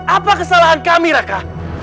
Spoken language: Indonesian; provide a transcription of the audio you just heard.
apa kesalahan kami raka